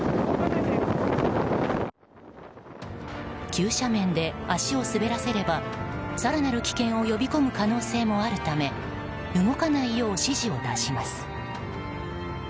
急斜面で足を滑らせれば更なる危険を呼び込む可能性もあるため動かないよう指示を出します。